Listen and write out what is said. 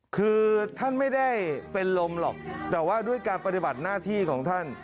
คือท่านไม่ได้เป็นลมหรอกแต่ว่าด้วยการปฏิบัติหน้าที่ของท่าน